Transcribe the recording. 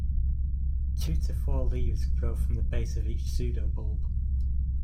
Two to four leaves grow from the base of each pseudobulb.